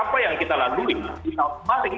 jadi apa yang kita lalui di tahun kemarin